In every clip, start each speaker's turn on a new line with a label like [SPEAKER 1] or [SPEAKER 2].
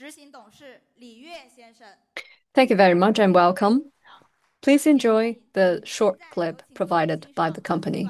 [SPEAKER 1] Executive Director Li Yue Thank you very much and welcome. Please enjoy the short clip provided by the company.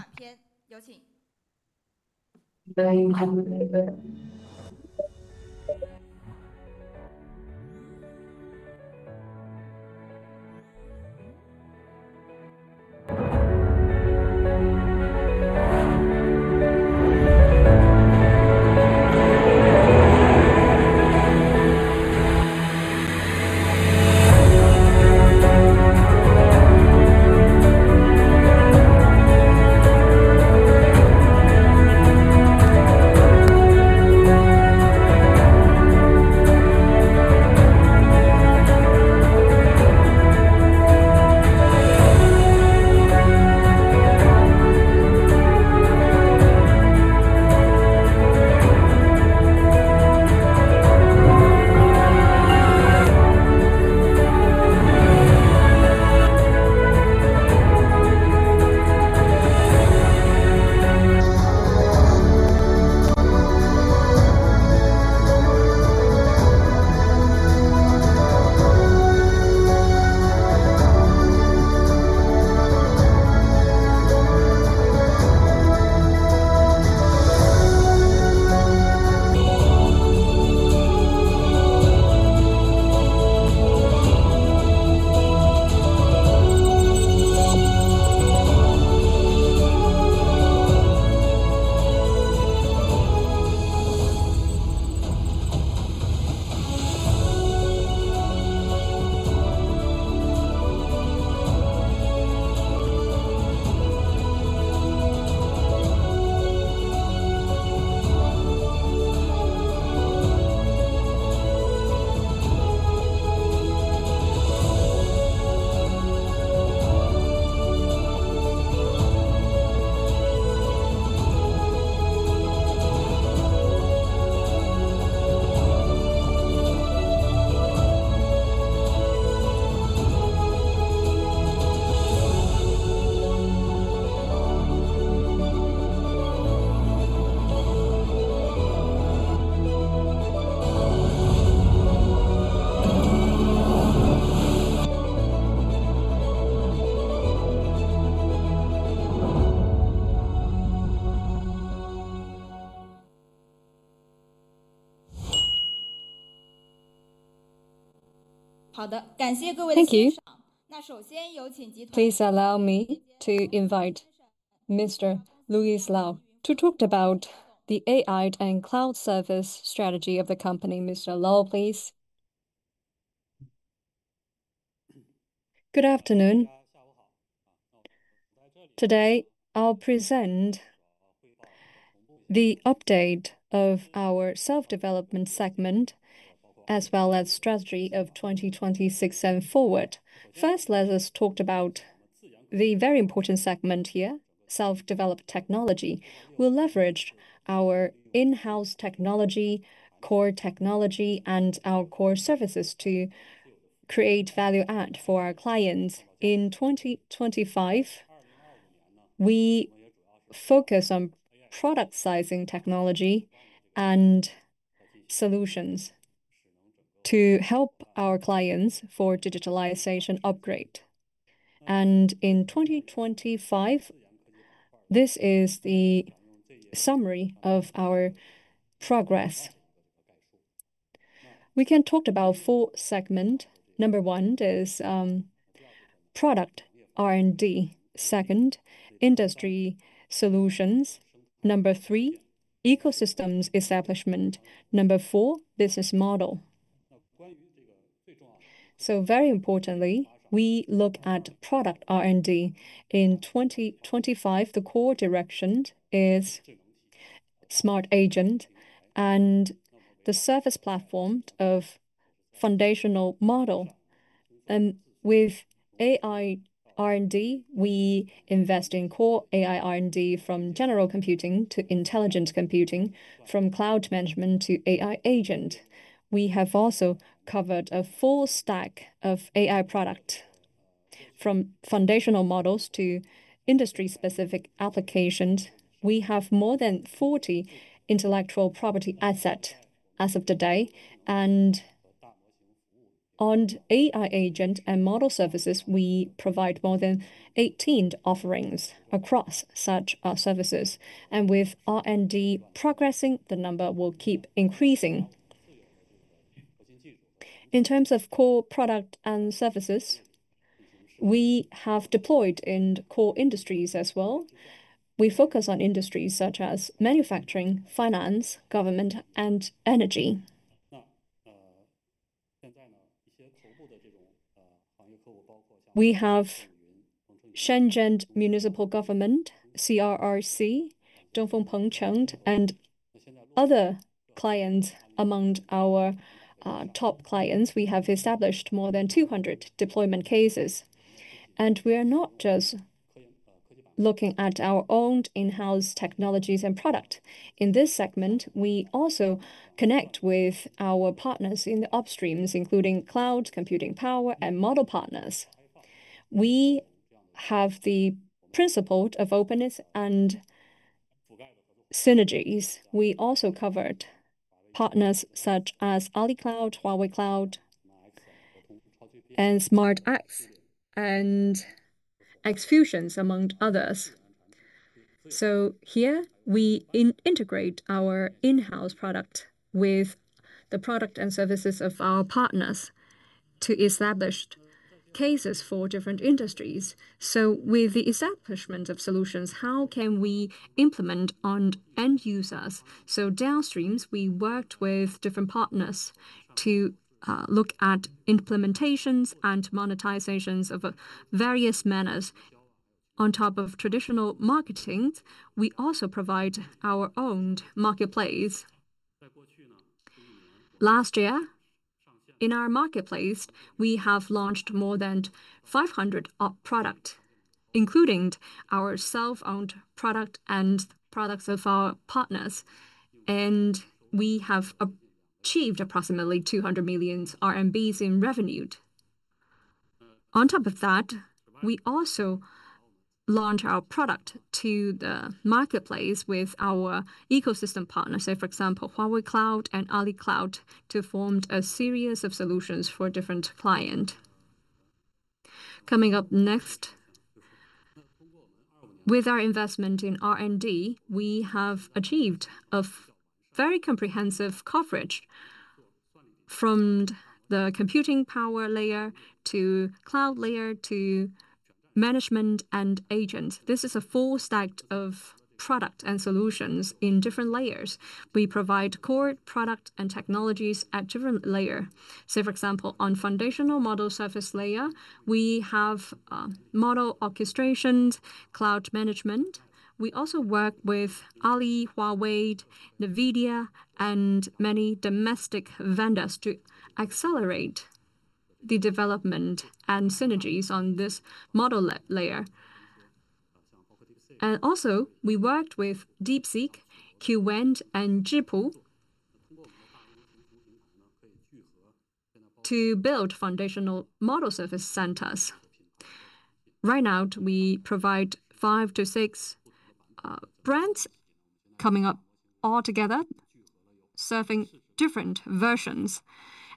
[SPEAKER 1] Thank you. Please allow me to invite Mr. Louis Lau to talk about the AI and cloud service strategy of the company. Mr. Lau, please.
[SPEAKER 2] Good afternoon. Today, I'll present the update of our self-development segment, as well as strategy of 2026 and forward. First, let us talk about the very important segment here, self-developed technology. We'll leverage our in-house technology, core technology, and our core services to create value add for our clients. In 2025, we focus on productizing technology and solutions to help our clients for digitalization upgrade. In 2025, this is the summary of our progress. We can talk about four segment. Number one is product R&D. Second, industry solutions. Number three, ecosystems establishment. Number four, business model. Very importantly, we look at product R&D. In 2025, the core direction is smart agent and the service platform of foundation model. With AI R&D, we invest in core AI R&D from general computing to intelligent computing, from cloud management to AI agent. We have also covered a full stack of AI products from foundational models to industry-specific applications. We have more than 40 intellectual property assets as of today. On AI agent and model services, we provide more than 18 offerings across such services. With R&D progressing, the number will keep increasing. In terms of core products and services, we have deployed in core industries as well. We focus on industries such as manufacturing, finance, government, and energy. We have Shenzhen Municipal People's Government, CRRC, Dongfeng Hongqi, and other clients among our top clients. We have established more than 200 deployment cases. We are not just looking at our own in-house technologies and products. In this segment, we also connect with our partners in the upstream, including cloud computing power and model partners. We have the principle of openness and synergies. We also covered partners such as Alibaba Cloud, Huawei Cloud, and SmartAX and xFusion, among others. Here we integrate our in-house product with the product and services of our partners to establish cases for different industries. With the establishment of solutions, how can we implement on end users? Downstream, we worked with different partners to look at implementations and monetizations of various manners. On top of traditional marketing, we also provide our own marketplace. Last year in our marketplace, we have launched more than 500 products, including our self-owned product and products of our partners. We have achieved approximately 200 million RMB in revenue. On top of that, we also launch our product to the marketplace with our ecosystem partners. Say, for example, Huawei Cloud and Alibaba Cloud to form a series of solutions for different client. Coming up next. With our investment in R&D, we have achieved a very comprehensive coverage from the computing power layer to cloud layer to management and agent. This is a full stack of product and solutions in different layers. We provide core product and technologies at different layer. Say, for example, on foundational model service layer, we have model orchestrations, cloud management. We also work with Alibaba, Huawei, NVIDIA and many domestic vendors to accelerate the development and synergies on this model layer. We worked with DeepSeek, Qwen, and Zhipu to build foundational model service centers. Right now, we provide five-six brands coming up all together, serving different versions.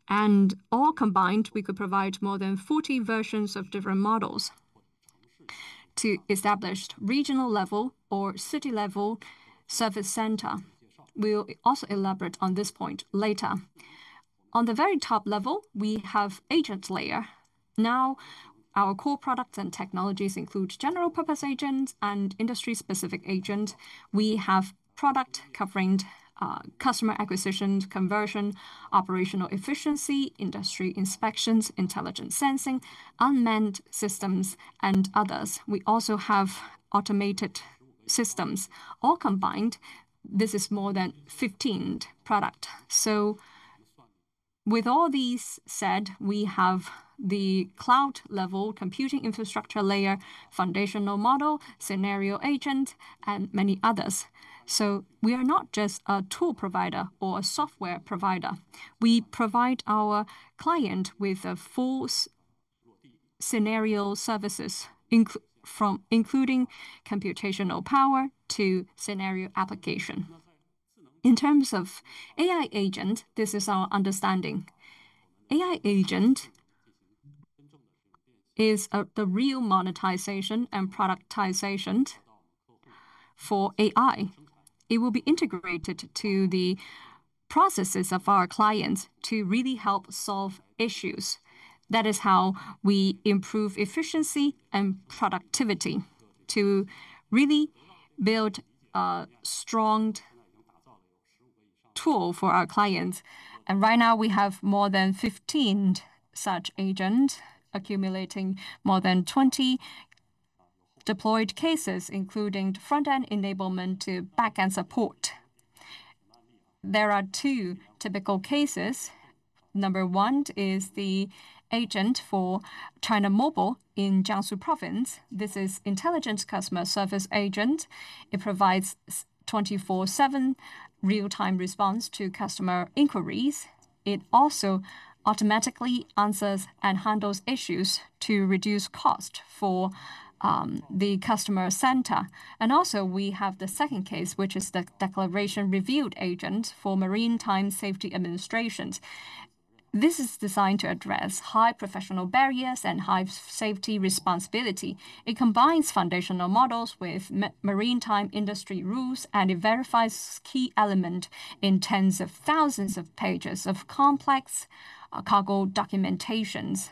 [SPEAKER 2] All combined, we could provide more than 14 versions of different models to establish regional level or city level service center. We'll also elaborate on this point later. On the very top level, we have agent layer. Now, our core products and technologies include general purpose agent and industry-specific agent. We have products covering customer acquisition, conversion, operational efficiency, industry inspections, intelligence sensing, unmanned systems and others. We also have automated systems. All combined, this is more than 15 products. With all these said, we have the cloud level computing infrastructure layer, foundational model, scenario agent, and many others. We are not just a tool provider or a software provider. We provide our clients with full scenario services, including computational power to scenario application. In terms of AI agent, this is our understanding. AI agent is the real monetization and productization for AI. It will be integrated to the processes of our clients to really help solve issues. That is how we improve efficiency and productivity to really build a strong tool for our clients. Right now we have more than 15 such agents accumulating more than 20 deployed cases, including front-end enablement to back-end support. There are two typical cases. Number one is the agent for China Mobile in Jiangsu Province. This is intelligent customer service agent. It provides 24/7 real-time response to customer inquiries. It also automatically answers and handles issues to reduce cost for the customer center. We have the second case, which is the declaration review agent for Maritime Safety Administrations. This is designed to address high professional barriers and high safety responsibility. It combines foundational models with maritime industry rules, and it verifies key element in tens of thousands of pages of complex cargo documentations.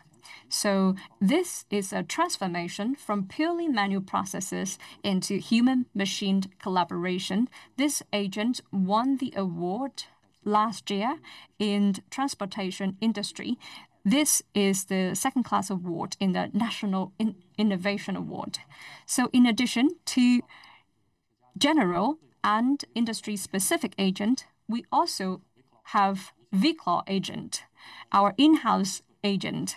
[SPEAKER 2] This is a transformation from purely manual processes into human-machine collaboration. This agent won the award last year in transportation industry. This is the second class award in the National Innovation Award. In addition to general and industry-specific agent, we also have Vclaw agent, our in-house agent.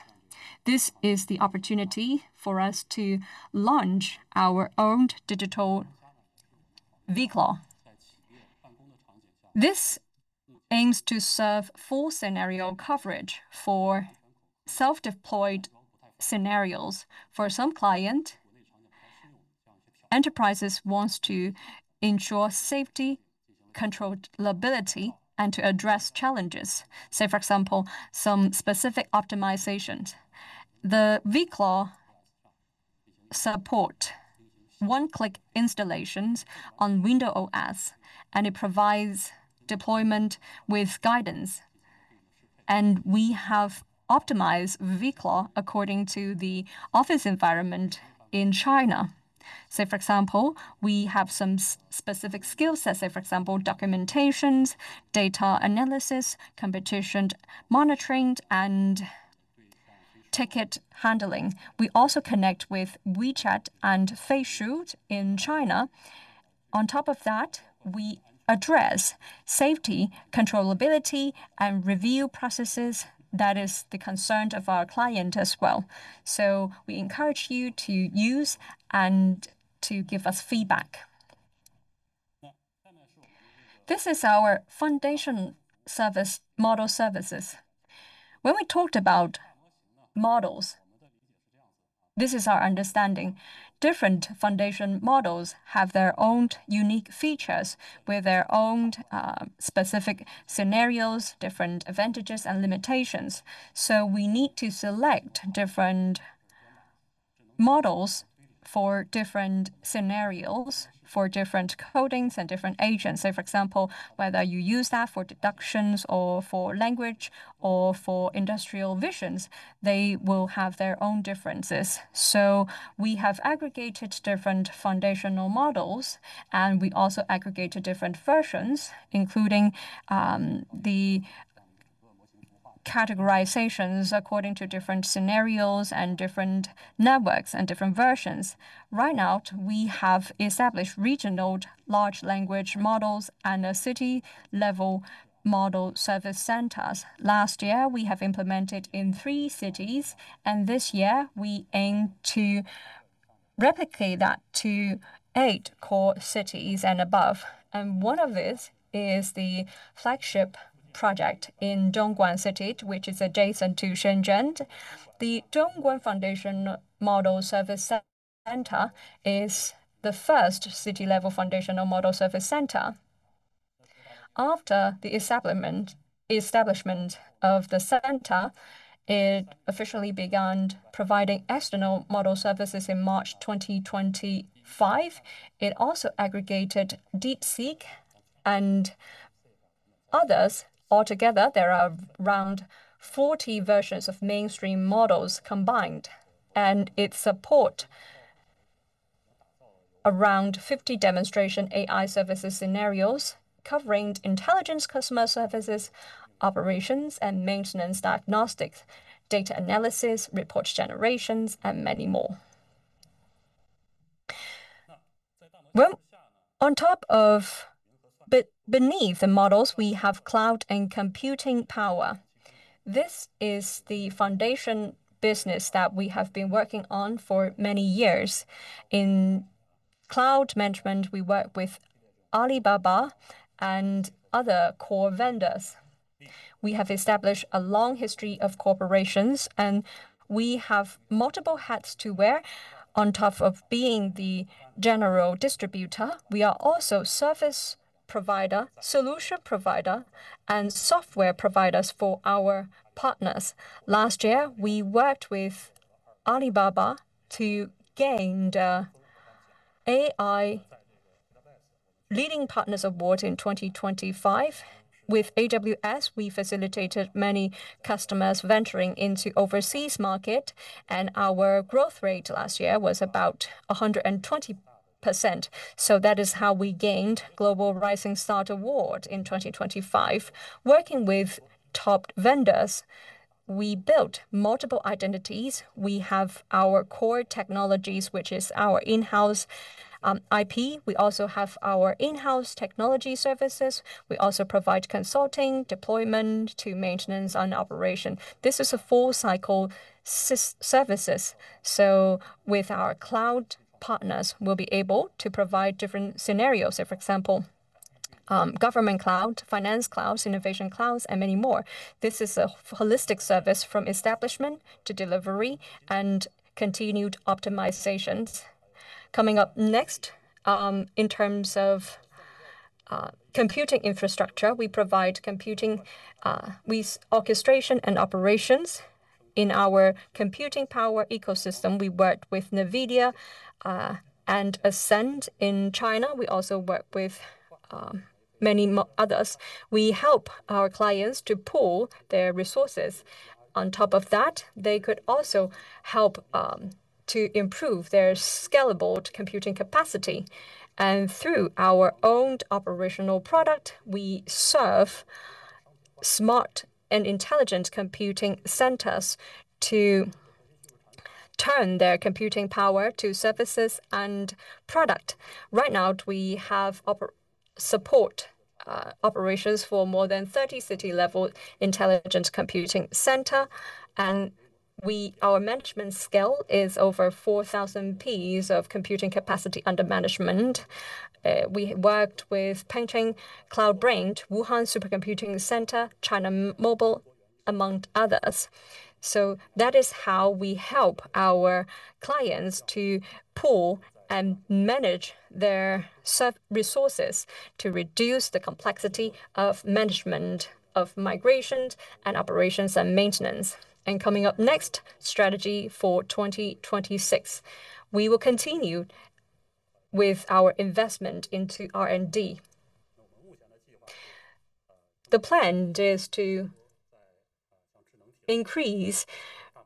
[SPEAKER 2] This is the opportunity for us to launch our own digital Vclaw. This aims to serve full scenario coverage for self-deployed scenarios for some client. Enterprises wants to ensure safety, controllability, and to address challenges. Say for example, some specific optimizations. The Vclaw support one-click installations on Windows OS, and it provides deployment with guidance. We have optimized Vclaw according to the office environment in China. Say for example, we have some specific skill sets, say for example, documentations, data analysis, competition monitoring, and ticket handling. We also connect with WeChat and Feishu in China. On top of that, we address safety, controllability and review processes. That is the concern of our client as well. We encourage you to use and to give us feedback. This is our foundation service model services. When we talked about models, this is our understanding. Different foundation models have their own unique features with their own, specific scenarios, different advantages and limitations. We need to select different models for different scenarios, for different codings and different agents. Say for example, whether you use that for deductions or for language or for industrial visions, they will have their own differences. We have aggregated different foundational models, and we also aggregated different versions, including, the categorizations according to different scenarios and different networks and different versions. Right now, we have established regional large language models and a city level model service centers. Last year, we have implemented in three cities, and this year we aim to replicate that to eight core cities and above. One of it is the flagship project in Dongguan City, which is adjacent to Shenzhen. The Dongguan Artificial Intelligence Large Model Center is the first city-level large model center. After the establishment of the center, it officially begun providing external model services in March 2025. It also aggregated DeepSeek and others. Altogether, there are around 40 versions of mainstream models combined, and it support around 50 demonstration AI services scenarios covering intelligent customer services, operations and maintenance diagnostics, data analysis, report generations, and many more. Well, beneath the models, we have cloud and computing power. This is the foundation business that we have been working on for many years. In cloud management, we work with Alibaba and other core vendors. We have established a long history of cooperation, and we have multiple hats to wear. On top of being the general distributor, we are also service provider, solution provider, and software providers for our partners. Last year, we worked with Alibaba to gain AI Leading Partners Award in 2025. With AWS, we facilitated many customers venturing into overseas market, and our growth rate last year was about 120%. That is how we gained Global Rising Star Award in 2025. Working with top vendors, we built multiple identities. We have our core technologies, which is our in-house IP. We also have our in-house technology services. We also provide consulting, deployment to maintenance and operation. This is a full cycle system services. With our cloud partners, we'll be able to provide different scenarios. For example, government cloud, finance clouds, innovation clouds and many more. This is a holistic service from establishment to delivery and continued optimizations. Coming up next, in terms of computing infrastructure, we provide computing with orchestration and operations. In our computing power ecosystem, we work with NVIDIA and Ascend in China. We also work with many others. We help our clients to pool their resources. On top of that, they could also help to improve their scalable computing capacity. Through our own operational product, we serve smart and intelligent computing centers to turn their computing power to services and product. Right now, we have support operations for more than 30 City-Level intelligent computing centers and our management scale is over 4,000 PFLOPS of computing capacity under management. We worked with Pengcheng Cloud Brain, Wuhan Supercomputing Center, China Mobile, among others. That is how we help our clients to pool and manage their resources to reduce the complexity of management of migrations and operations and maintenance. Coming up next, strategy for 2026. We will continue with our investment into R&D. The plan is to increase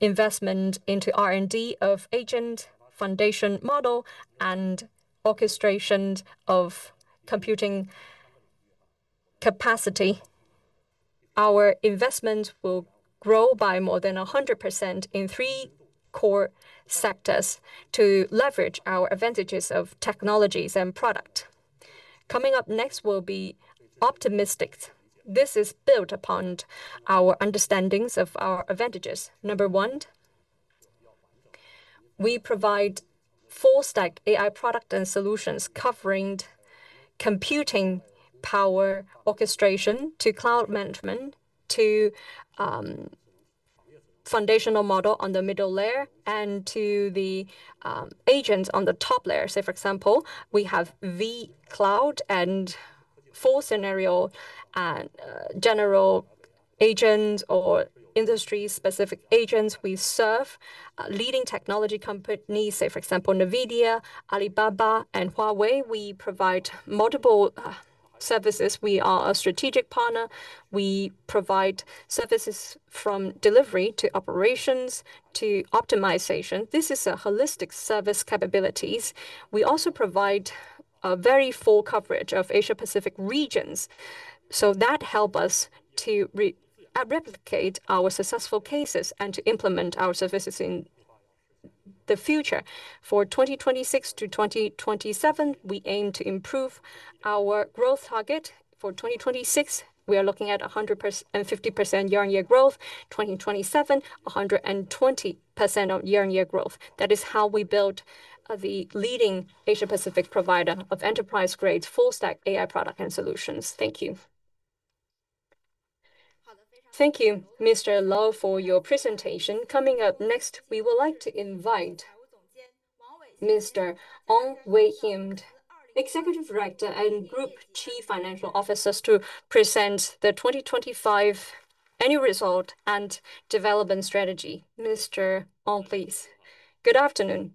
[SPEAKER 2] investment into R&D of agent foundation model and orchestration of computing power. Our investment will grow by more than 100% in three core sectors to leverage our advantages of technologies and product. Our outlook will be optimistic. This is built upon our understandings of our advantages. Number one, we provide full stack AI product and solutions covering computing power orchestration to cloud management, to foundational model on the middle layer and to the agents on the top layer. Say, for example, we have vCloud and for scenarios and general agent or industry-specific agents. We serve leading technology companies, say for example, NVIDIA, Alibaba and Huawei. We provide multiple services. We are a strategic partner. We provide services from delivery to operations to optimization. This is a holistic service capabilities. We also provide a very full coverage of Asia-Pacific regions, so that help us to replicate our successful cases and to implement our services in the future. For 2026 to 2027, we aim to improve our growth target. For 2026, we are looking at 50% year-on-year growth. 2027, 120% year-on-year growth. That is how we build the leading Asia-Pacific provider of enterprise-grade full-stack AI product and solutions. Thank you.
[SPEAKER 1] Thank you, Mr. Lau, for your presentation. Coming up next, we would like to invite Mr. Ong Wei-Hiam, Executive Director and Group Chief Financial Officer to present the 2025 annual results and development strategy. Mr. Ong, please.
[SPEAKER 3] Good afternoon.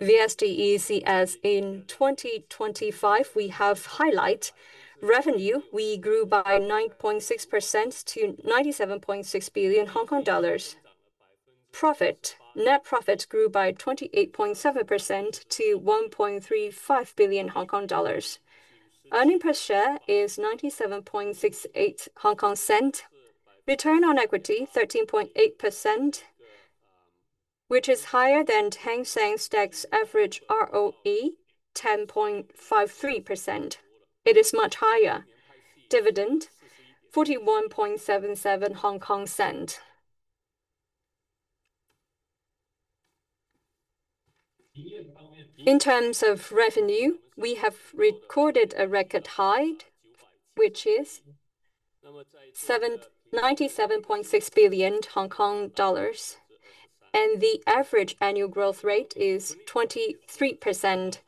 [SPEAKER 3] VSTECS in 2025, we have highlight revenue. We grew by 9.6% to 97.6 billion Hong Kong dollars. Profit, net profit grew by 28.7% to 1.35 billion Hong Kong dollars. Earnings per share is 97.68 Hong Kong cents. Return on equity, 13.8%, which is higher than Hang Seng's stock average ROE, 10.53%. It is much higher. Dividend, 41.77 Hong Kong cents. In terms of revenue, we have recorded a record high, which is 97.6 billion Hong Kong dollars, and the average annual growth rate is 23%.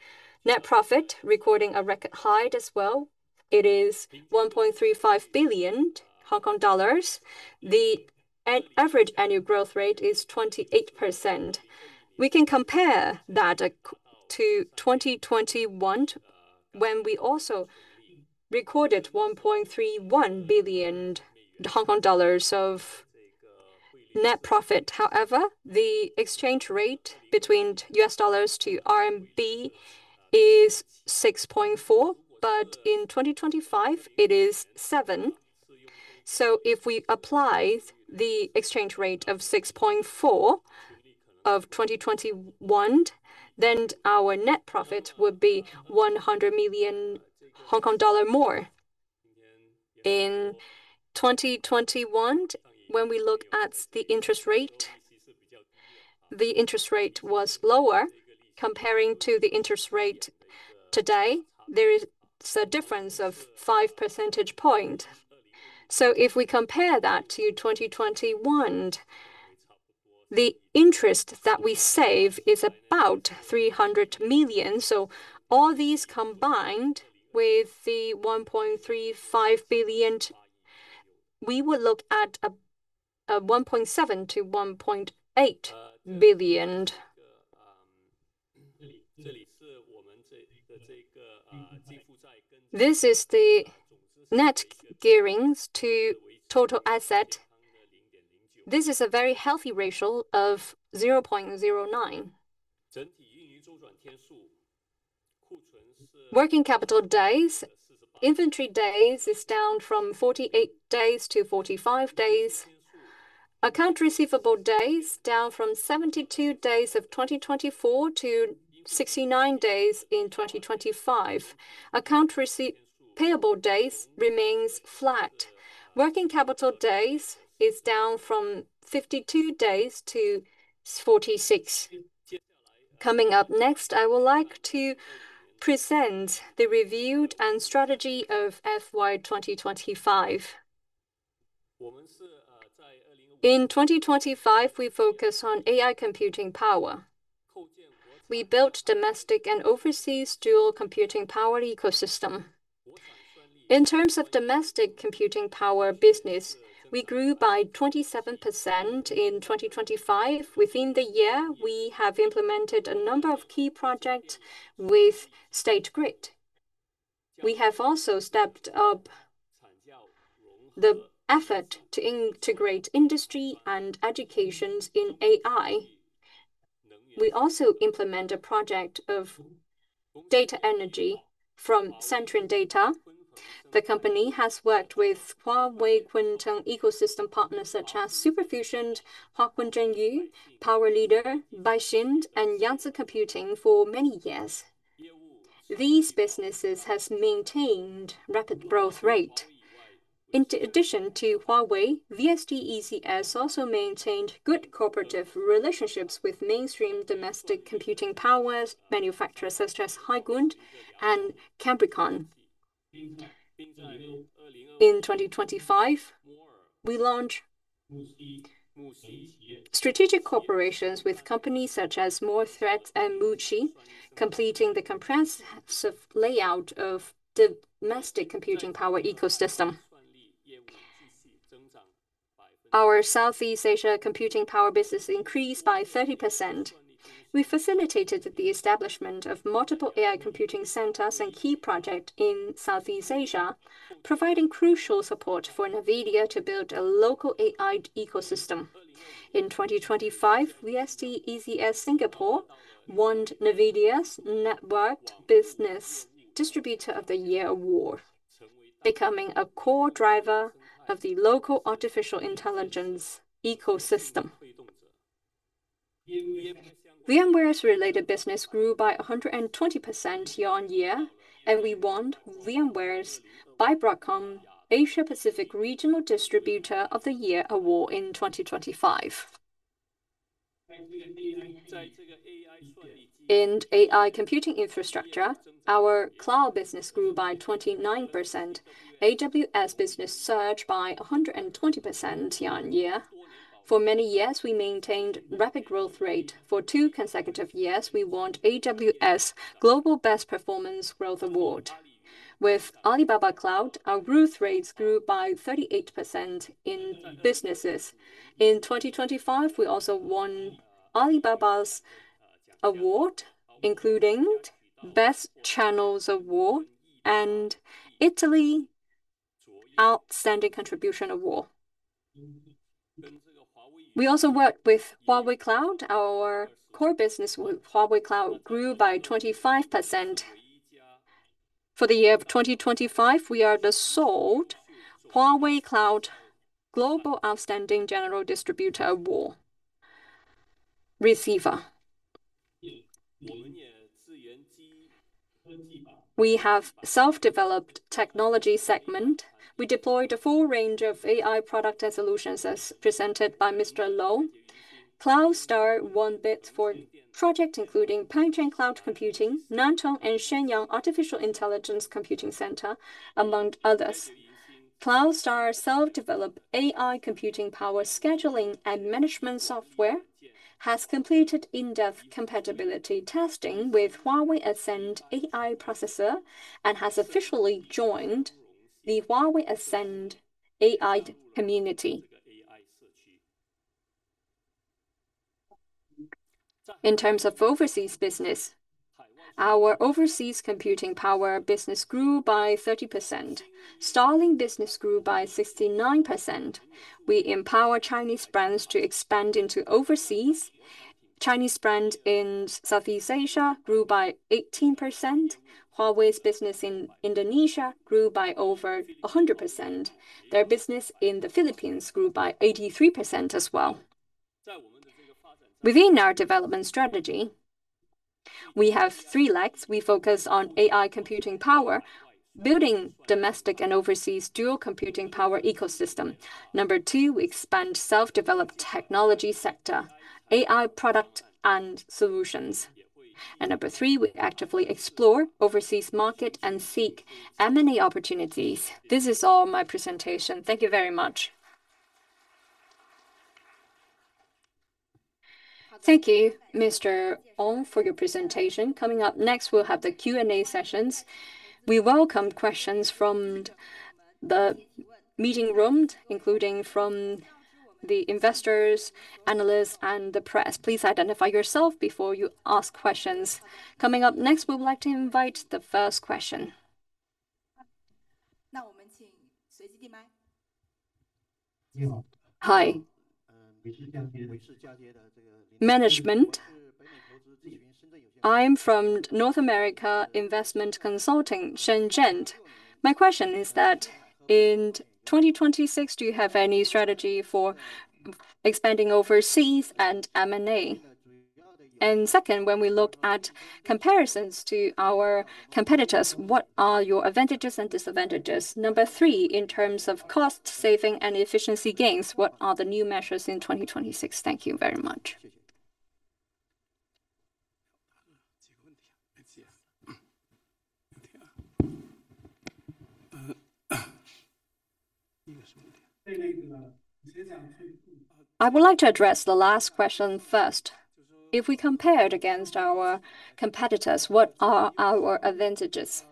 [SPEAKER 3] Net-profit, recording a record high as well. It is 1.35 billion Hong Kong dollars. Average annual growth rate is 28%. We can compare that to 2021 when we also recorded 1.31 billion Hong Kong dollars of net profit. However, the exchange rate between US dollars to RMB is 6.4, but in 2025 it is seven. If we apply the exchange rate of 6.4 of 2021, then our net profit would be 100 million Hong Kong dollar more. In 2021, when we look at the interest rate, the interest rate was lower comparing to the interest rate today. There is a difference of 5 percentage points. If we compare that to 2021, the interest that we save is about 300 million. All these combined with the 1.35 billion, we will look at a 1.7 billion-1.8 billion. This is the net gearing to total asset. This is a very healthy ratio of 0.09. Working capital days, inventory days is down from 48 days to 45 days. Account receivable days down from 72 days of 2024 to 69 days in 2025. Account payable days remains flat. Working capital days is down from 52 days to 46. Coming up next, I would like to present the review and strategy of FY 2025. In 2025, we focus on AI computing power. We built domestic and overseas dual computing power ecosystem. In terms of domestic computing power business, we grew by 27% in 2025. Within the year, we have implemented a number of key projects with State Grid. We have also stepped up the effort to integrate industry and education in AI. We also implement a project of data center from Centrin Data. The company has worked with Huawei Kunpeng ecosystem partners such as xFusion, Huakun Zhenyu, PowerLeader, Baixin, and Yanzhi Computing for many years. These businesses have maintained rapid growth rate. In addition to Huawei, VSTECS also maintained good cooperative relationships with mainstream domestic computing power manufacturers such as Hygon and Cambricon. In 2025, we launched strategic cooperation with companies such as Moore Threads and Muxi, completing the comprehensive layout of domestic computing power ecosystem. Our Southeast Asia computing power business increased by 30%. We facilitated the establishment of multiple AI computing centers and key projects in Southeast Asia, providing crucial support for NVIDIA to build a local AI ecosystem. In 2025, VSTECS Singapore won NVIDIA's Network Business Distributor of the Year award, becoming a core driver of the local artificial intelligence ecosystem. VMware's related business grew by 120% year-on-year, and we won VMware's Broadcom Asia Pacific Regional Distributor of the Year award in 2025. In AI computing infrastructure, our cloud business grew by 29%. AWS business surged by 120% year-on-year. For many years, we maintained rapid growth rate. For two consecutive years, we won AWS Global Best Performance Growth award. With Alibaba Cloud, our growth rates grew by 38% in businesses. In 2025, we also won Alibaba's award, including Best Channels award and Annual Outstanding Contribution award. We also worked with Huawei Cloud. Our core business with Huawei Cloud grew by 25%. For the year of 2025, we are the sole Huawei Cloud Global Outstanding General Distributor award receiver. We have self-developed technology segment. We deployed a full range of AI product solutions as presented by Mr. Lau. Cloud Star won bids for project including Panjin Cloud Computing, Nantong and Shenyang Artificial Intelligence Computing Center, among others. Cloud Star self-developed AI computing power scheduling and management software has completed in-depth compatibility testing with Huawei Ascend AI processor and has officially joined the Huawei Ascend AI community. In terms of overseas business, our overseas computing power business grew by 30%. Starlink business grew by 69%. We empower Chinese brands to expand into overseas. Chinese brand in Southeast Asia grew by 18%. Huawei's business in Indonesia grew by over 100%. Their business in the Philippines grew by 83% as well. Within our development strategy, we have three legs. We focus on AI computing power, building domestic and overseas dual computing power ecosystem. Number two, we expand self-developed technology sector, AI product and solutions. Number three, we actively explore overseas market and seek M&A opportunities. This is all my presentation. Thank you very much.
[SPEAKER 1] Thank you, Mr. Ong, for your presentation. Coming up next, we'll have the Q&A sessions. We welcome questions from the meeting room, including from the investors, analysts, and the press. Please identify yourself before you ask questions. Coming up next, we would like to invite the first question.
[SPEAKER 4] Hi. Management. I'm from North America Investment Consulting, Shenzhen. My question is that in 2026, do you have any strategy for expanding overseas and M&A? Second, when we look at comparisons to our competitors, what are your advantages and disadvantages? Number three, in terms of cost saving and efficiency gains, what are the new measures in 2026? Thank you very much.
[SPEAKER 5] I would like to address the last question first. If we compared against our competitors, what are our advantages?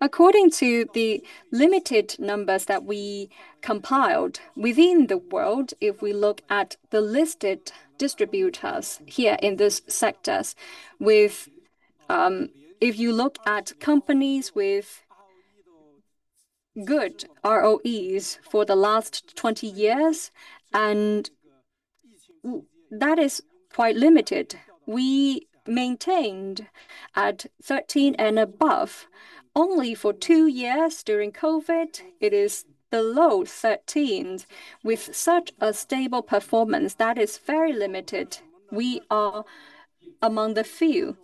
[SPEAKER 5] According to the limited numbers that we compiled within the world, if we look at the listed distributors here in these sectors with, if you look at companies with good ROEs for the last 20 years, and that is quite limited. We maintained at 13 and above. Only for two years during COVID, it is below 13. With such a stable performance, that is very limited. We are among the few.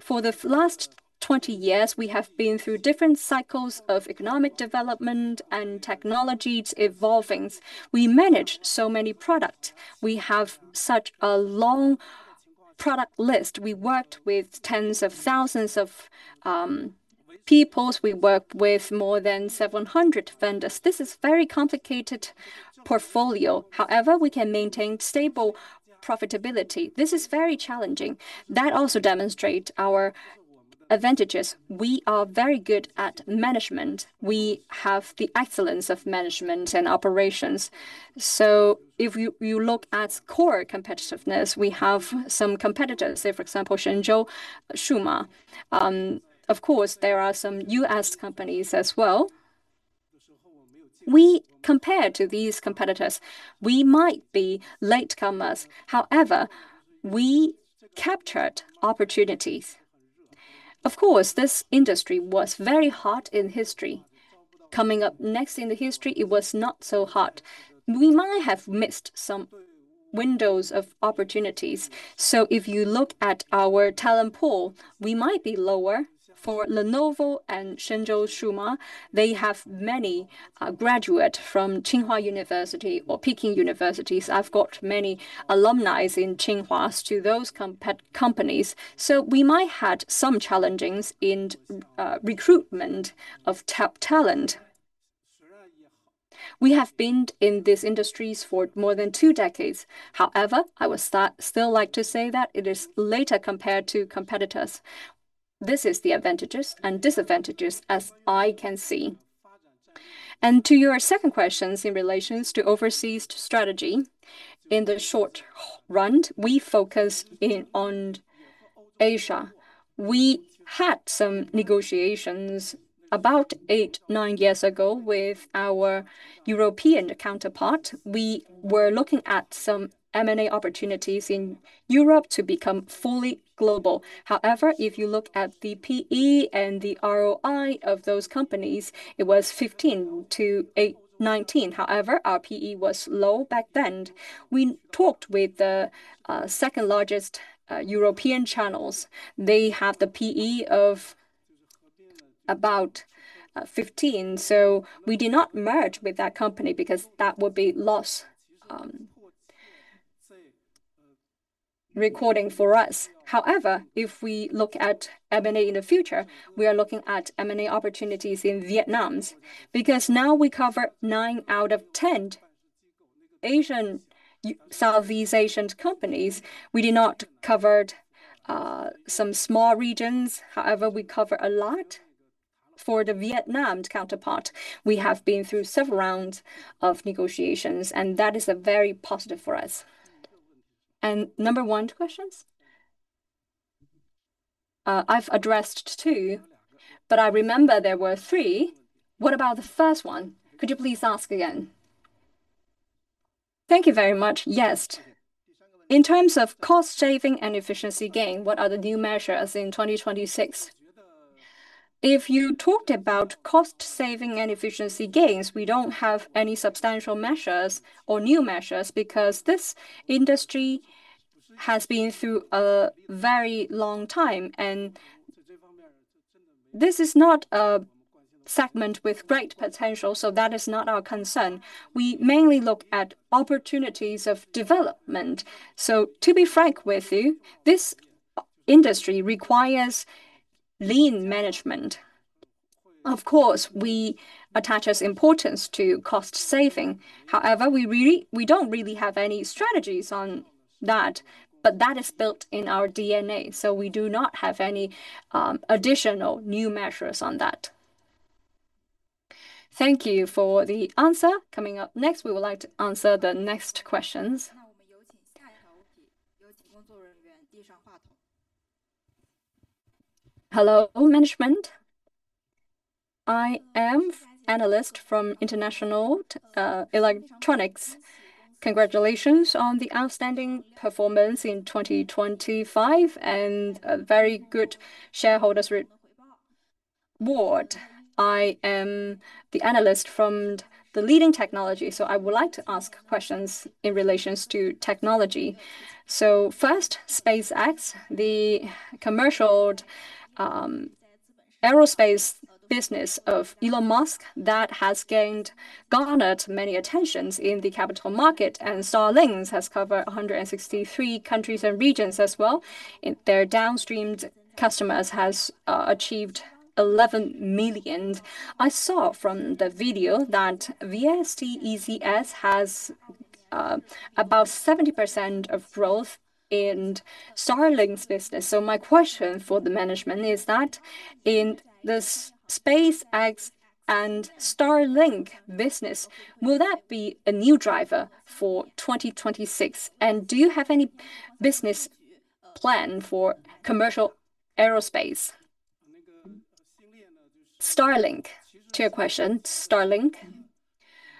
[SPEAKER 5] For the last 20 years, we have been through different cycles of economic development and technologies evolving. We manage so many products. We have such a long product list. We worked with tens of thousands of people. We work with more than 700 vendors. This is a very complicated portfolio. However, we can maintain stable profitability. This is very challenging. That also demonstrates our advantages. We are very good at management. We have excellence in management and operations. If you look at core competitiveness, we have some competitors, say for example, Zhengzhou, Shuma. Of course, there are some US companies as well. Compared to these competitors, we might be latecomers. However, we captured opportunities. Of course, this industry was very hot in history. Coming up next in the history, it was not so hot. We might have missed some windows of opportunities. If you look at our talent pool, we might be lower. For Lenovo and Zhengzhou, Shuma, they have many graduates from Tsinghua University or Peking University. I've got many alumni in Tsinghua to those companies. We might had some challenges in recruitment of top talent. We have been in these industries for more than two decades. However, I would still like to say that it is later compared to competitors. This is the advantages and disadvantages as I can see. To your second question in relation to overseas strategy, in the short run, we focus on Asia. We had some negotiations about eight, nine years ago with our European counterpart. We were looking at some M&A opportunities in Europe to become fully global. However, if you look at the PE and the ROI of those companies, it was 15-19. However, our PE was low back then. We talked with the second-largest European channels. They have the PE of about 15. So we did not merge with that company because that would be loss recording for us. However, if we look at M&A in the future, we are looking at M&A opportunities in Vietnam. Because now we cover nine out of ten Southeast Asian companies. We did not covered some small regions. However, we cover a lot. For the Vietnam counterpart, we have been through several rounds of negotiations, and that is very positive for us. Number one questions? I've addressed two, but I remember there were three. What about the first one? Could you please ask again?
[SPEAKER 4] Thank you very much. Yes. In terms of cost saving and efficiency gain, what are the new measures in 2026?
[SPEAKER 5] If you talked about cost saving and efficiency gains, we don't have any substantial measures or new measures because this industry has been through a very long time, and this is not a segment with great potential, so that is not our concern. We mainly look at opportunities of development. To be frank with you, this industry requires lean management. Of course, we attaches importance to cost saving. However, we don't really have any strategies on that, but that is built in our DNA, so we do not have any additional new measures on that.
[SPEAKER 1] Thank you for the answer. Coming up next, we would like to answer the next questions.
[SPEAKER 6] Hello, management. I am analyst from International Electronics. Congratulations on the outstanding performance in 2025 and a very good shareholders' reward. I am the analyst from Leading Technology. I would like to ask questions in relation to technology. First, SpaceX, the commercial aerospace business of Elon Musk that has garnered many attentions in the capital market, and Starlink has covered 163 countries and regions as well, and their downstream customers has achieved 11 million. I saw from the video that VSTECS has about 70% growth in Starlink's business. My question for the management is that in the SpaceX and Starlink business, will that be a new driver for 2026? And do you have any business plan for commercial aerospace?
[SPEAKER 5] Starlink. To your question, Starlink.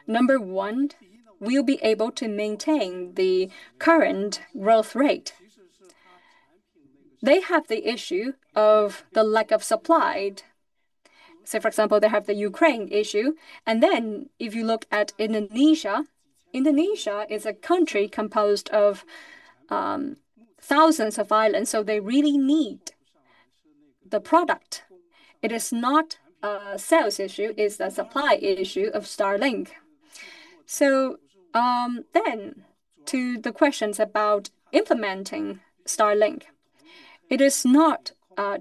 [SPEAKER 5] Number one, we'll be able to maintain the current growth rate. They have the issue of the lack of supply. Say, for example, they have the Ukraine issue, and then if you look at Indonesia is a country composed of thousands of islands, so they really need the product. It is not a sales issue, it's a supply issue of Starlink. To the questions about implementing Starlink. It is not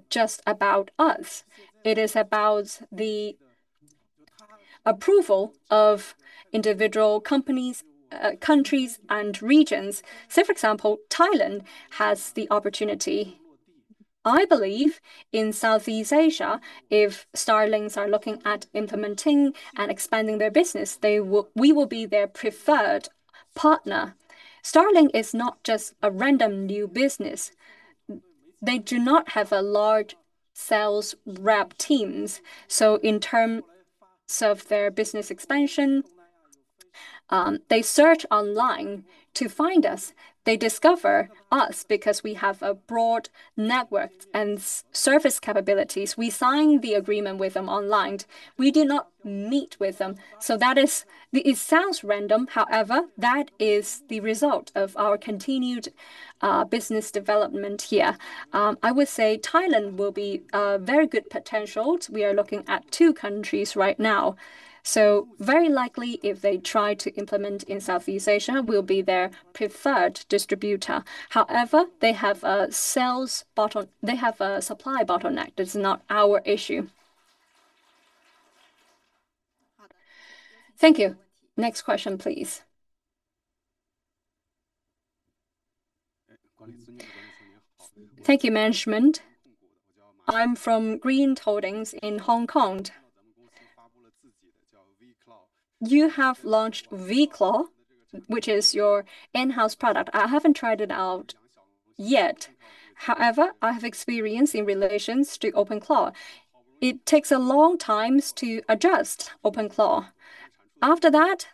[SPEAKER 5] just about us, it is about the approval of individual companies, countries and regions. Say, for example, Thailand has the opportunity. I believe in Southeast Asia, if Starlink is looking at implementing and expanding their business, we will be their preferred partner. Starlink is not just a random new business. They do not have a large sales rep teams, so in terms of their business expansion, they search online to find us. They discover us because we have a broad network and service capabilities. We sign the agreement with them online. We do not meet with them. That is, it sounds random. However, that is the result of our continued business development here. I would say Thailand will be a very good potential. We are looking at two countries right now. Very likely, if they try to implement in Southeast Asia, we'll be their preferred distributor. However, they have a supply bottleneck. That's not our issue.
[SPEAKER 1] Thank you. Next question, please.
[SPEAKER 7] Thank you, management. I'm from Green Holdings in Hong Kong. You have launched Vclaw, which is your in-house product. I haven't tried it out yet. However, I have experience in relation to OpenClaw. It takes a long time to adjust OpenClaw. After that,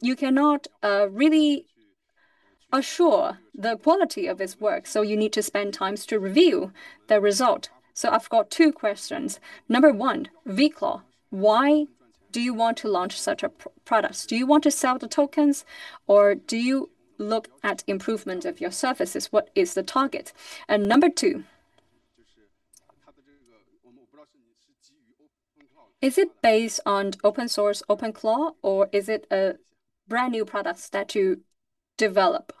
[SPEAKER 7] you cannot really assure the quality of its work, so you need to spend times to review the result. I've got two questions. Number one, Vclaw. Why do you want to launch such a product? Do you want to sell the tokens or do you look at improvement of your services? What is the target? And number two, is it based on open source OpenClaw or is it a brand new product that you develop?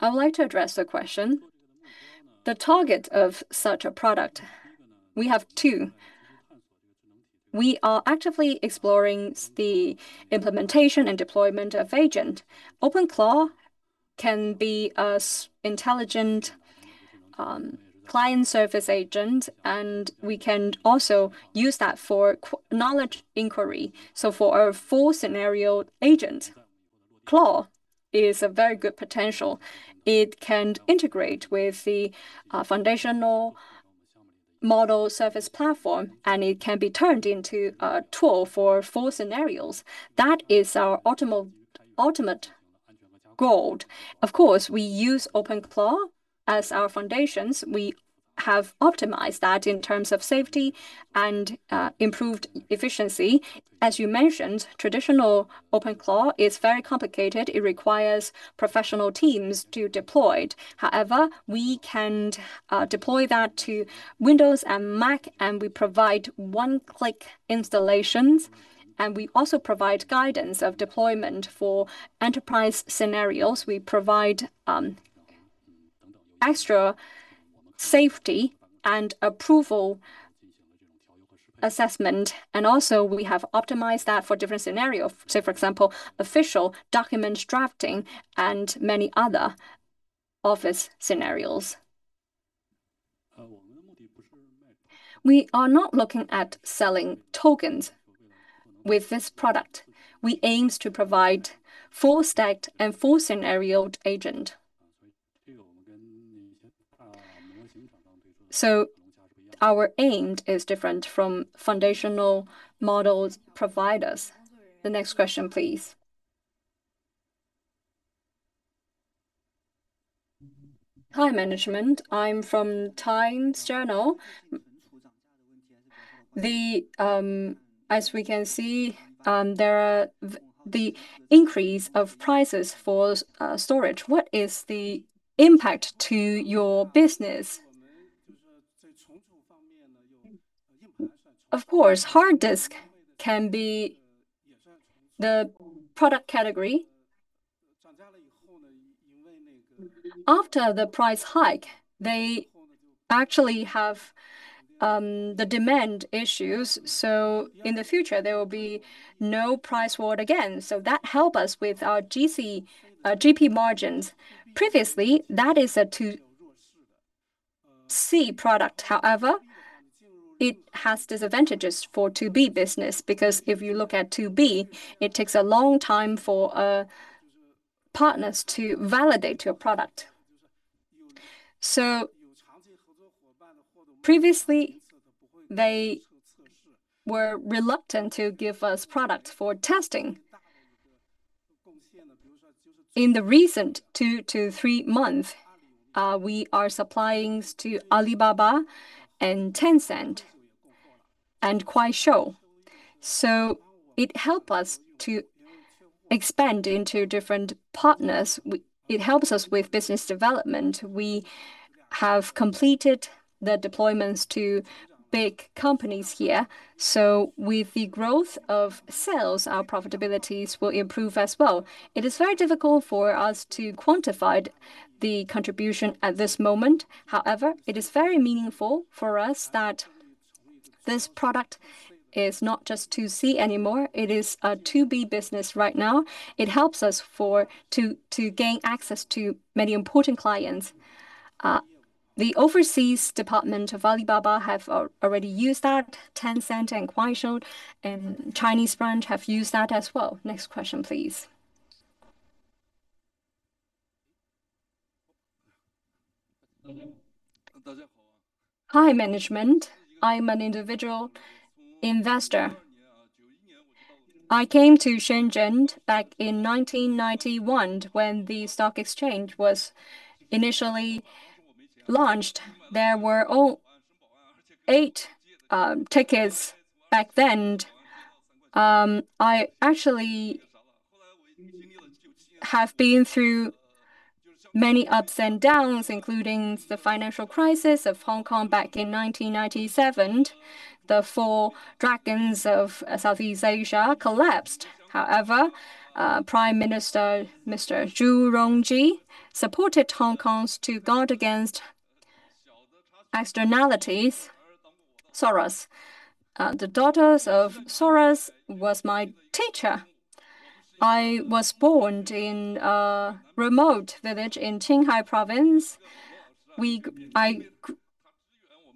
[SPEAKER 5] I would like to address the question. The target of such a product, we have two. We are actively exploring the implementation and deployment of agent. OpenClaw can be a intelligent client service agent, and we can also use that for knowledge inquiry. For our full scenario agent, Vclaw is a very good potential. It can integrate with the foundational model service platform, and it can be turned into a tool for full scenarios. That is our ultimate goal. Of course, we use OpenClaw as our foundations. We have optimized that in terms of safety and improved efficiency. As you mentioned, traditional OpenClaw is very complicated. It requires professional teams to deploy it. However, we can deploy that to Windows and Mac, and we provide one-click installations, and we also provide guidance of deployment for enterprise scenarios. We provide extra safety and approval assessment, and also we have optimized that for different scenarios. Say, for example, official document drafting and many other office scenarios. We are not looking at selling tokens. With this product, we aim to provide full stack and full scenario agent. Our aim is different from foundation model providers. The next question, please.
[SPEAKER 8] Hi, management. I'm from Times-Journal. As we can see, there is an increase of prices for storage. What is the impact to your business?
[SPEAKER 5] Of course, hard disk can be the product category. After the price hike, they actually have the demand issues, so in the future there will be no price war again. That help us with our GP margins. Previously, that is a 2C product. However, it has disadvantages for 2B business because if you look at 2B, it takes a long time for partners to validate your product. Previously, they were reluctant to give us product for testing. In the recent two to three months, we are supplying to Alibaba and Tencent and Kuaishou. It help us to expand into different partners. It helps us with business development. We have completed the deployments to big companies here, so with the growth of sales, our profitabilities will improve as well. It is very difficult for us to quantify the contribution at this moment. However, it is very meaningful for us that this product is not just 2C anymore. It is a 2B business right now. It helps us to gain access to many important clients. The overseas department of Alibaba have already used that. Tencent and Kuaishou and Chinese branch have used that as well. Next question, please.
[SPEAKER 9] Hi, management. I'm an individual investor. I came to Shenzhen back in 1991 when the stock exchange was initially launched. There were eight tickets back then. I actually have been through many ups and downs, including the financial crisis of Hong Kong back in 1997. The four dragons of Southeast Asia collapsed. However, Prime Minister, Mr. Zhu Rongji, supported Hong Kong to guard against externalities. Soros, the daughters of Soros was my teacher. I was born in a remote village in Qinghai Province. I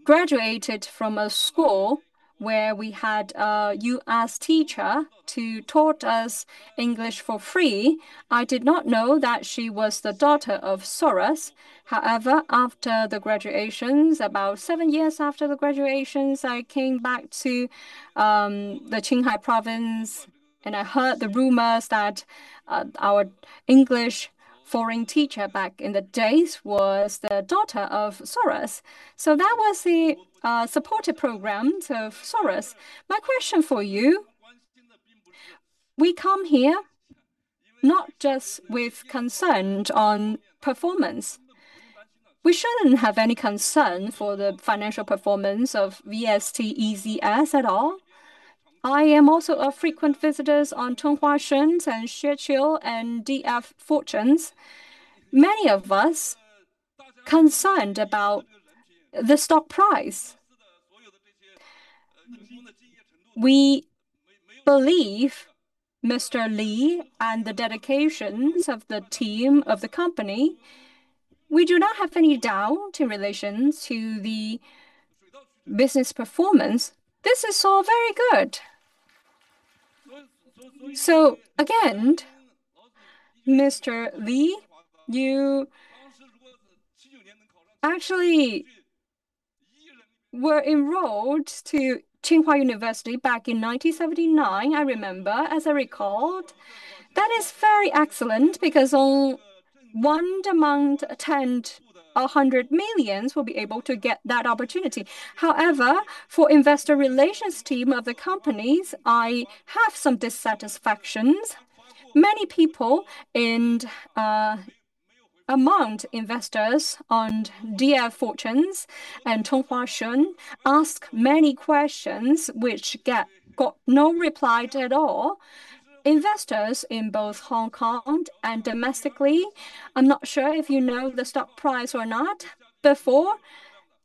[SPEAKER 9] graduated from a school where we had a U.S. teacher who taught us English for free. I did not know that she was the daughter of Soros. However, after the graduations, about seven years after the graduations, I came back to the Qinghai Province, and I heard the rumors that our English foreign teacher back in the days was the daughter of Soros. That was the supported programs of Soros. My question for you, we come here not just with concern on performance. We shouldn't have any concern for the financial performance of VSTECS at all. I am also a frequent visitor on Tonghuashun and Xueqiu and East Money. Many of us concerned about the stock price. We believe Mr. Li and the dedication of the team of the company, we do not have any doubt in relation to the business performance. This is all very good. Again, Mr. Li, you actually were enrolled to Tsinghua University back in 1979, I remember, as I recalled. That is very excellent because only one in ten thousand, 100 million will be able to get that opportunity. However, for investor relations team of the company, I have some dissatisfactions. Many people and among investors on DIA fortunes and Tonghuashun ask many questions which got no reply at all. Investors in both Hong Kong and domestically, I am not sure if you know the stock price or not. Before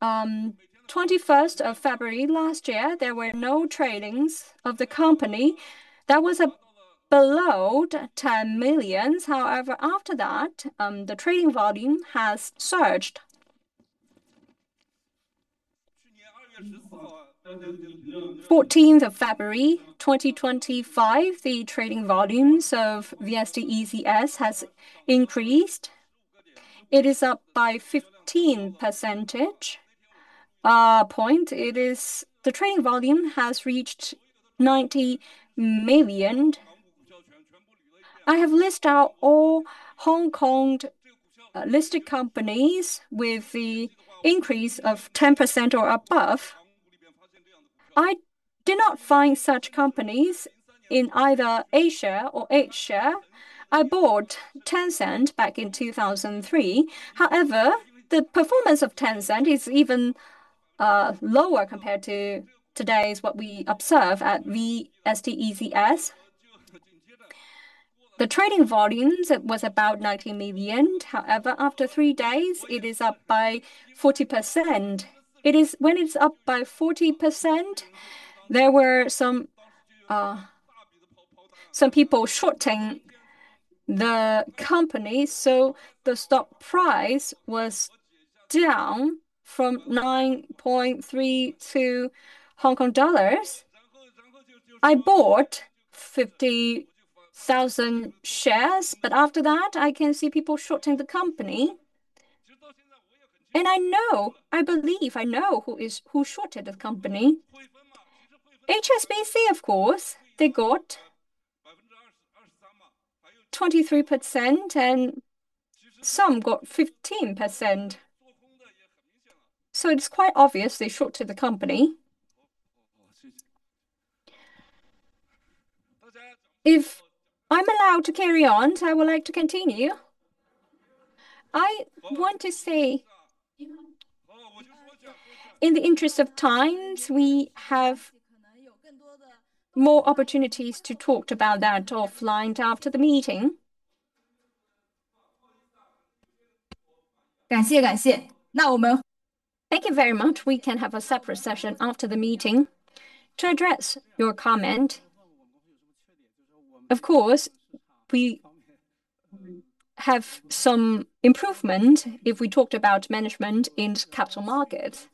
[SPEAKER 9] 21st of February last year, there were no tradings of the company. That was below 10 million. However, after that, the trading volume has surged.
[SPEAKER 10] 14th of February, 2025, the trading volumes of VSTECS has increased. It is up by 15 percentage point. The trading volume has reached 90 million. I have listed out all Hong Kong listed companies with the increase of 10% or above. I did not find such companies in either H-share or A-share. I bought Tencent back in 2003. However, the performance of Tencent is even lower compared to today's what we observe at VSTECS. The trading volumes was about 90 million. However, after three days it is up by 40%.
[SPEAKER 5] When it's up by 40%, there were some people shorting the company, so the stock price was down from 9.3 Hong Kong dollars. I bought 50,000 shares, but after that I can see people shorting the company. I believe I know who shorted the company. HSBC, of course, they got 23% and some got 15%. It's quite obvious they shorted the company. If I'm allowed to carry on, I would like to continue.
[SPEAKER 1] I want to say, in the interest of time, we have more opportunities to talk about that offline after the meeting. Thank you very much. We can have a separate session after the meeting to address your comment.
[SPEAKER 5] Of course, we have some improvement if we talk about management in capital markets.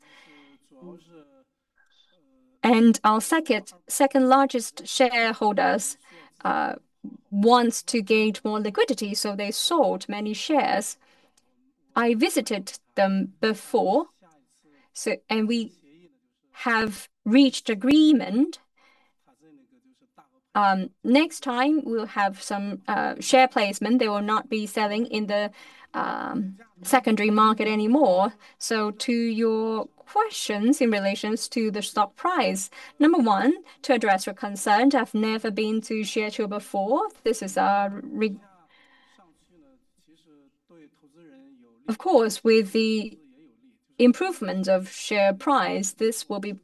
[SPEAKER 5] Our second largest shareholders want to gain more liquidity, so they sold many shares. I visited them before, and we have reached agreement. Next time we'll have some share placement. They will not be selling in the secondary market anymore. To your questions in relation to the stock price, number one, to address your concern, I've never been to share tour before. Of course, with the improvement of share price, this will be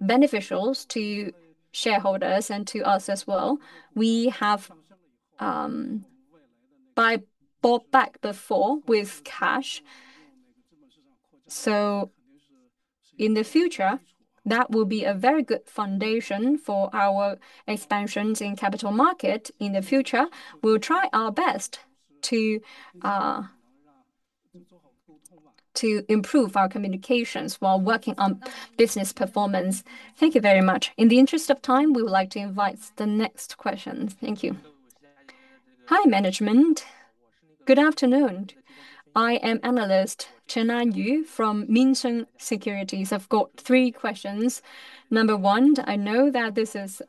[SPEAKER 5] beneficial to shareholders and to us as well. We have bought back before with cash. In the future, that will be a very good foundation for our expansions in capital market. In the future, we'll try our best to improve our communications while working on business performance. Thank you very much.
[SPEAKER 1] In the interest of time, we would like to invite the next question.
[SPEAKER 11] Thank you. Hi, management. Good afternoon. I am Analyst Chen Anyu from Minsheng Securities. I've got three questions. Number one, I know that this is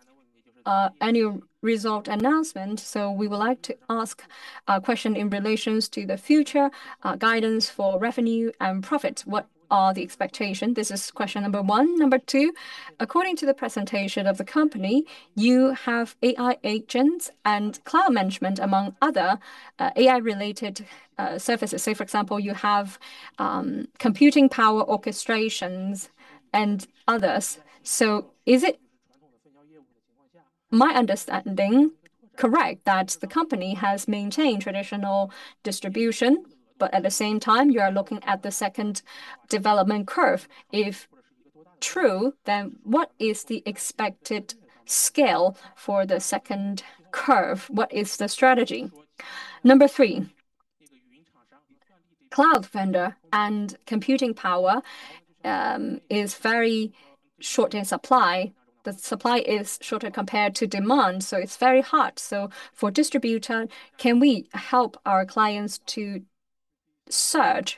[SPEAKER 11] an annual result announcement, so we would like to ask a question in relation to the future, guidance for revenue and profit. What are the expectations? This is question number one. Number two, according to the presentation of the company, you have AI agents and cloud management among other, AI-related, services. Say, for example, you have, computing power orchestrations and others. So is it my understanding correct that the company has maintained traditional distribution, but at the same time you are looking at the second development curve? If true, then what is the expected scale for the second curve? What is the strategy? Number three, cloud vendor and computing power is very short in supply. The supply is shorter compared to demand, so it's very hard. For distributor, can we help our clients to search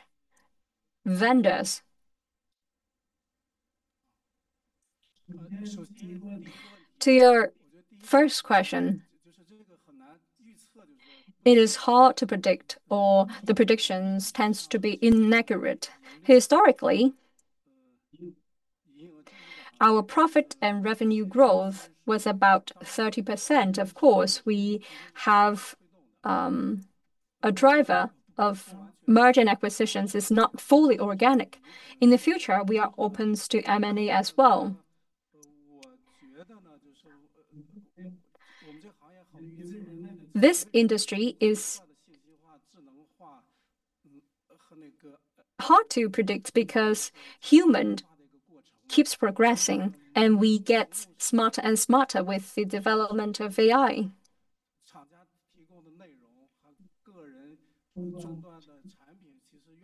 [SPEAKER 11] vendors?
[SPEAKER 5] To your first question, it is hard to predict, or the predictions tend to be inaccurate. Historically, our profit and revenue growth was about 30%. Of course, we have a driver of margin acquisitions is not fully organic. In the future, we are open to M&A as well. This industry is hard to predict because humans keep progressing, and we get smarter and smarter with the development of AI.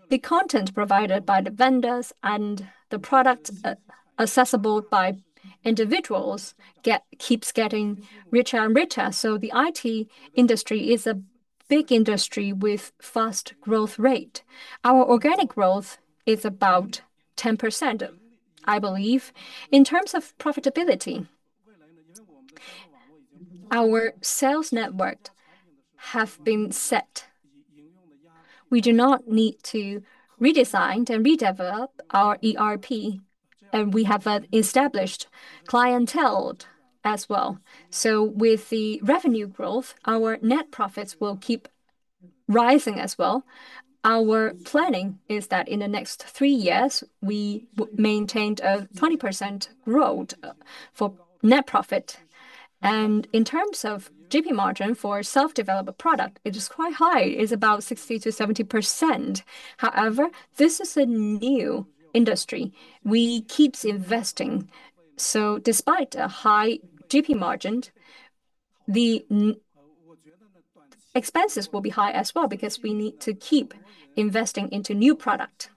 [SPEAKER 5] The content provided by the vendors and the product accessible by individuals keeps getting richer and richer. The IT industry is a big industry with fast growth rate. Our organic growth is about 10%, I believe. In terms of profitability, our sales network have been set. We do not need to redesign and redevelop our ERP, and we have a established clientele as well. With the revenue growth, our net profits will keep rising as well. Our planning is that in the next three years, we maintain a 20% growth for net profit. In terms of GP margin for self-developed product, it is quite high. It's about 60%-70%. However, this is a new industry. We keeps investing. Despite a high GP margin, the expenses will be high as well because we need to keep investing into new product,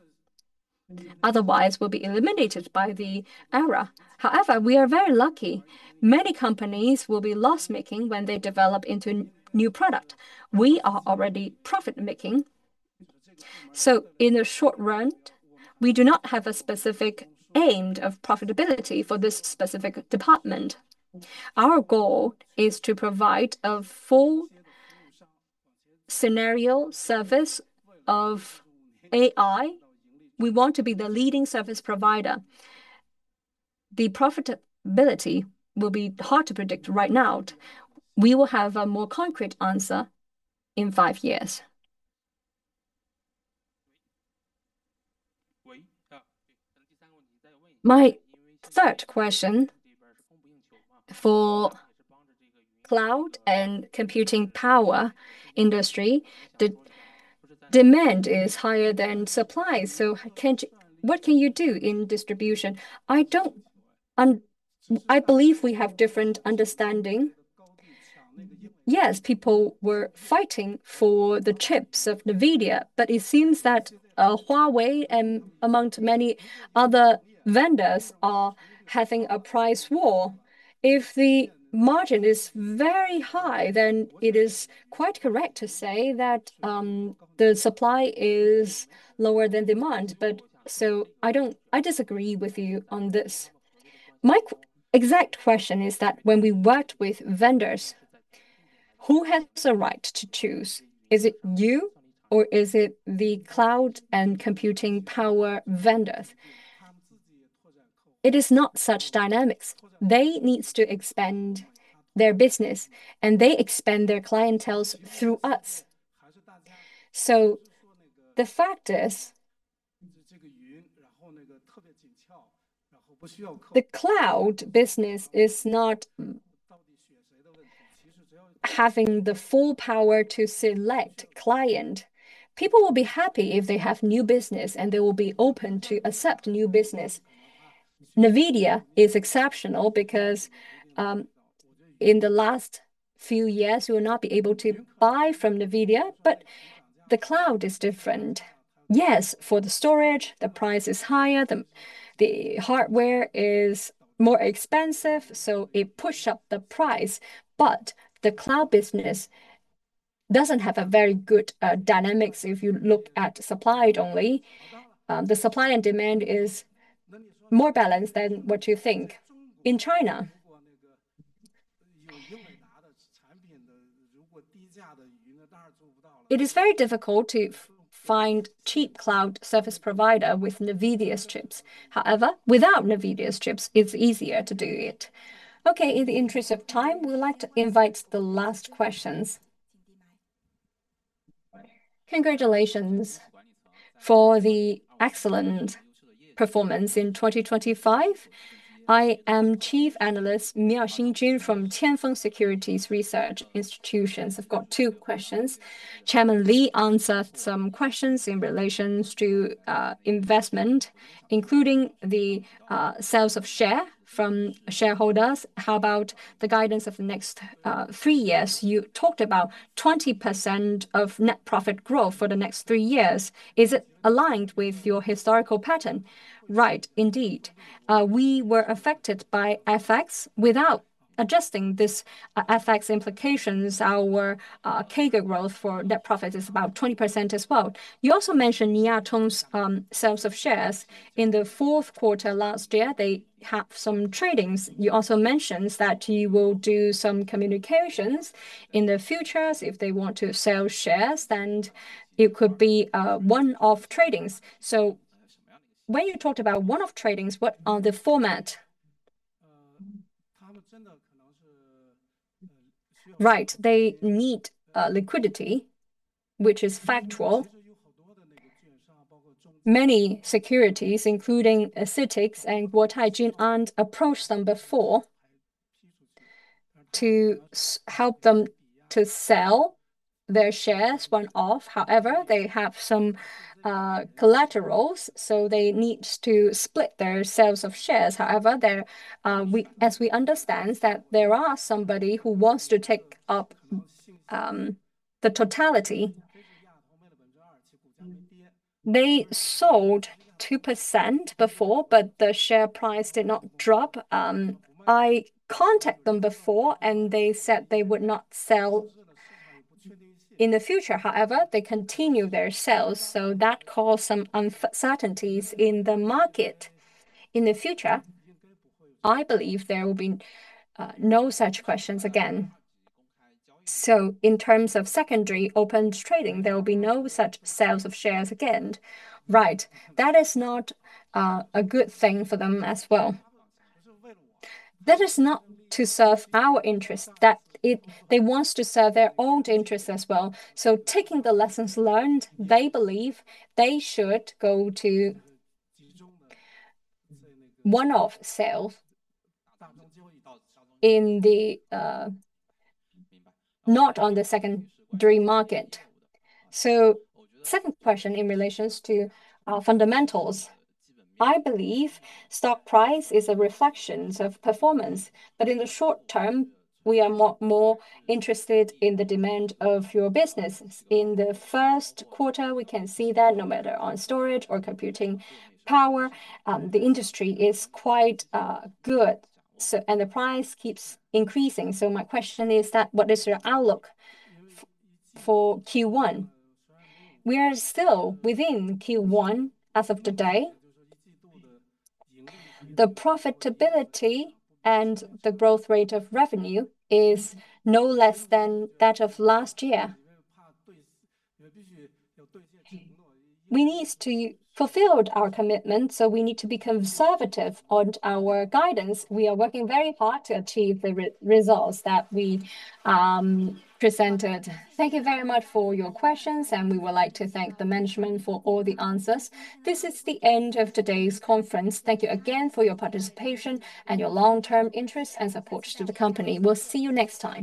[SPEAKER 5] otherwise we'll be eliminated by the era. However, we are very lucky. Many companies will be loss-making when they develop into new product. We are already profit-making. In the short run, we do not have a specific aim of profitability for this specific department. Our goal is to provide a full scenario service of AI. We want to be the leading service provider. The profitability will be hard to predict right now. We will have a more concrete answer in five years.
[SPEAKER 11] My third question, for cloud and computing power industry, the demand is higher than supply, what can you do in distribution? I believe we have different understanding.
[SPEAKER 5] Yes, people were fighting for the chips of NVIDIA, but it seems that, Huawei and among many other vendors are having a price war. If the margin is very high, then it is quite correct to say that, the supply is lower than demand. I disagree with you on this.
[SPEAKER 11] My exact question is that when we work with vendors, who has the right to choose? Is it you or is it the cloud and computing power vendors?
[SPEAKER 5] It is not such dynamics. They needs to expand their business, and they expand their clienteles through us. So the fact is, the cloud business is not having the full power to select client. People will be happy if they have new business, and they will be open to accept new business. NVIDIA is exceptional because, in the last few years, you will not be able to buy from NVIDIA, but the cloud is different. Yes, for the storage, the price is higher. The hardware is more expensive, so it push up the price. But the cloud business doesn't have a very good dynamics if you look at supply only. The supply and demand is more balanced than what you think. In China, it is very difficult to find cheap cloud service provider with NVIDIA's chips. However, without NVIDIA's chips, it's easier to do it. Okay, in the interest of time, we would like to invite the last questions.
[SPEAKER 12] Congratulations for the excellent performance in 2025. I am Chief Analyst Miao Xinjun from Tianfeng Securities Research Institutions. I've got two questions. Chairman Li answered some questions in relation to investment, including the sales of share from shareholders. How about the guidance of the next three years? You talked about 20% net profit growth for the next three years. Is it aligned with your historical pattern? Right. Indeed. We were affected by FX. Without adjusting this FX implications, our CAGR growth for net profit is about 20% as well. You also mentioned Nie Tong's sales of shares. In the Q4 last year, they have some trading. You also mentioned that you will do some communications in the future if they want to sell shares, then it could be one-off trading. When you talked about one-off trading, what is the format?
[SPEAKER 5] Right. They need liquidity, which is factual. Many securities, including CITIC and Guotai Junan, approached them before to help them to sell their shares one-off. However, they have some collateral, so they need to split their sales of shares. However, as we understand that there are someone who wants to take up the totality. They sold 2% before, but the share price did not drop. I contacted them before, and they said they would not sell in the future. However, they continue their sales, so that caused some uncertainties in the market. In the future, I believe there will be no such questions again. In terms of secondary open trading, there will be no such sales of shares again. Right. That is not a good thing for them as well. That is not to serve our interest that they wants to serve their own interest as well. Taking the lessons learned, they believe they should go to one-off sale in the not on the secondary market. Second question in relation to our fundamentals. I believe stock price is a reflection of performance. In the short-term, we are more interested in the demand of your business. In the Q1, we can see that no matter on storage or computing power, the industry is quite good. The price keeps increasing. My question is that, what is your outlook for Q1? We are still within Q1 as of today. The profitability and the growth rate of revenue is no less than that of last year. We needs to fulfilled our commitment, so we need to be conservative on our guidance. We are working very hard to achieve the results that we presented.
[SPEAKER 1] Thank you very much for your questions, and we would like to thank the management for all the answers. This is the end of today's conference. Thank you again for your participation and your long-term interest and support to the company. We'll see you next time.